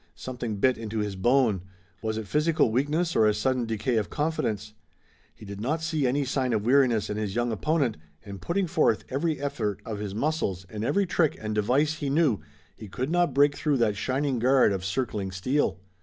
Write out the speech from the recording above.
Something bit into his bone. Was it physical weakness or a sudden decay of confidence? He did not see any sign of weariness in his young opponent, and putting forth every effort of his muscles and every trick and device he knew he could not break through that shining guard of circling steel.